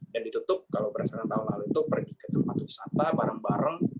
dan ditutup kalau berasanya tahun lalu itu pergi ke tempat wisata bareng bareng